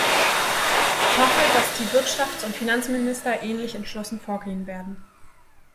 Ich hoffe, dass die Wirtschaftsund Finanzminister ähnlich entschlossen vorgehen werden.